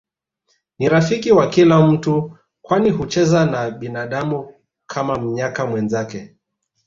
Ni rafiki wa kila mtu kwani hucheza na binadamu Kama mnyaka mwenzake